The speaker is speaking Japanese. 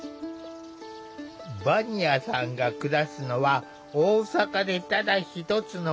ヴァニアさんが暮らすのは大阪でただ一つの村。